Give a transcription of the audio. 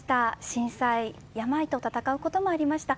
震災、病と闘うこともありました。